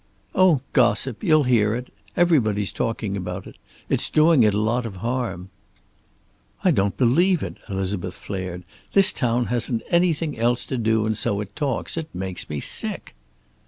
"Oh, gossip. You'll hear it. Everybody's talking about it. It's doing him a lot of harm." "I don't believe it," Elizabeth flared. "This town hasn't anything else to do, and so it talks. It makes me sick."